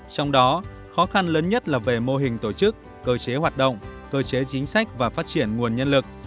trong đó khó khăn lớn nhất là về mô hình tổ chức cơ chế hoạt động cơ chế chính sách và phát triển nguồn nhân lực